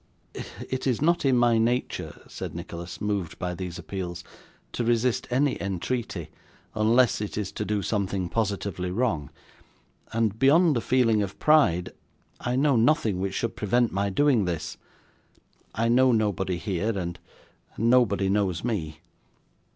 'It is not in my nature,' said Nicholas, moved by these appeals, 'to resist any entreaty, unless it is to do something positively wrong; and, beyond a feeling of pride, I know nothing which should prevent my doing this. I know nobody here, and nobody knows me.